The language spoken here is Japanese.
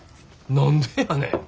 何でやねん。